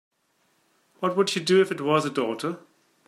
What would you do if it was a daughter?